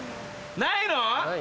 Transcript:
ないの？